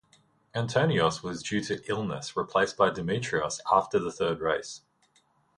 Antonios was due to illness replaced by Dimitrios after the third race.